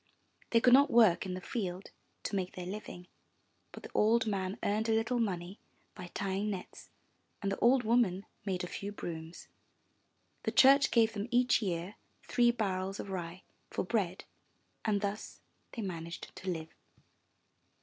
They could not work in the field to make their living; but the old man earned a little money by tying nets; and the old woman made a few brooms; the church gave them each year three barrels of rye for bread, and thus they managed to live.